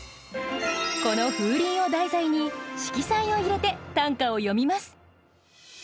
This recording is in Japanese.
この風鈴を題材に色彩を入れて短歌を詠みます。